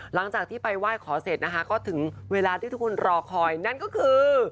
หลังจากที่ไปไหว้ขอเสร็จนะคะก็ถึงเวลาที่ทุกคนรอคอยนั่นก็คือ